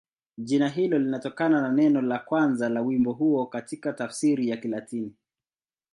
Jina hilo linatokana na neno la kwanza la wimbo huo katika tafsiri ya Kilatini.